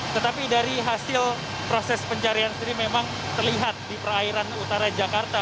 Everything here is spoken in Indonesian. tetapi dari hasil proses pencarian sendiri memang terlihat di perairan utara jakarta